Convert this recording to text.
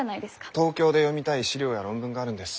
東京で読みたい資料や論文があるんです。